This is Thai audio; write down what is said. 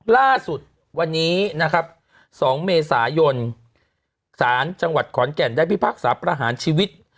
ล่าสุดวันนี้นะครับ๒เมษายนศาลจังหวัดขอนแก่นได้พิพากษาประหารชีวิต